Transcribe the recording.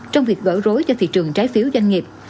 trong việc gỡ rối cho thị trường trái phiếu doanh nghiệp